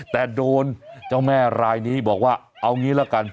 แต่โดนเจ้าแม่รายนี้บอกว่าเอางี้ละกัน